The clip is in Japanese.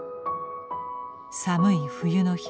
寒い冬の日